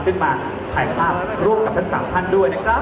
ขึ้นมาถ่ายภาพร่วมกับทั้ง๓ท่านด้วยนะครับ